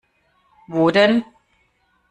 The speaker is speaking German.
Wo denn?